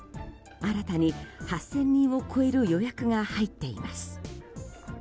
新たに８０００人を超える予約が入っています。